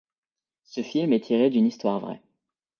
Ce film est tiré d’une histoire vraie.